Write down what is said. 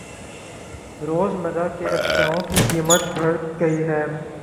روز مرہ کے اشیاوں کی قیمتیں بڑھ گئ ہے۔